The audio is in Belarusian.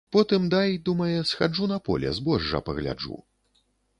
Потым дай, думае, схаджу на поле збожжа пагляджу.